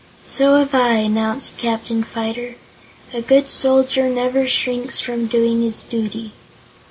"So have I," announced Captain Fyter. "A good soldier never shrinks from doing his duty."